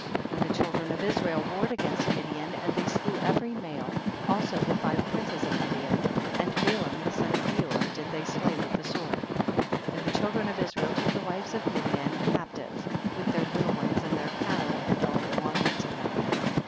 8. And the children of Israel war red against Midian, and they slew every male, also the five princes of Midian, and Balaam the son of Beor did they slay with the sword. 9. And the children of Israel took the wives of Midian captive, with their little ones and their cattle, and all belonging to them.